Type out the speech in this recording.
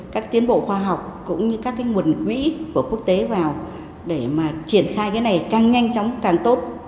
các tiến bộ khoa học cũng như các cái nguồn quỹ của quốc tế vào để mà triển khai cái này càng nhanh chóng càng tốt